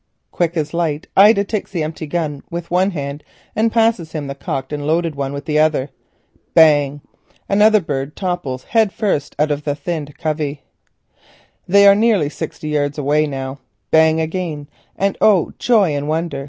Quick as light Ida takes the empty gun with one hand, and as he swings round passes him the cocked and loaded one with the other. "Bang!" Another bird topples head first out of the thinned covey. They are nearly sixty yards away now. "Bang!" again, and oh, joy and wonder!